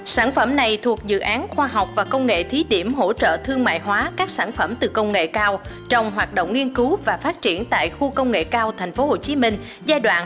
sản phẩm này thuộc dự án khoa học và công nghệ thí điểm hỗ trợ thương mại hóa các sản phẩm từ công nghệ cao trong hoạt động nghiên cứu và phát triển tại khu công nghệ cao tp hcm giai đoạn hai nghìn một mươi sáu hai nghìn hai mươi